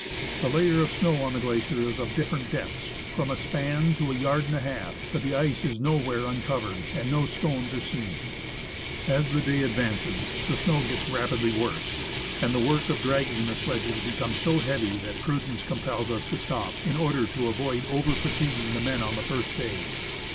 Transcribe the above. The layer of snow on the glacier is of different depths, from a span to a yard and a half; but the ice is nowhere uncovered, and no stones are seen. As the day advances, the snow gets rapidly worse, and the CROSSING A GLACIER STREAM. work of dragging the sledges becomes so heavy that prudence compels us to stop in order to avoid over fatiguing the men on the first day.